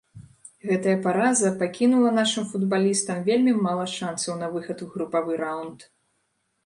Гэтая параза пакінула нашым футбалістам вельмі мала шанцаў на выхад у групавы раўнд.